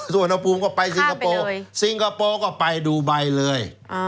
ส่วนอุณหภูมิก็ไปสิงคโปร์ซิงคโปร์ก็ไปดูไบเลย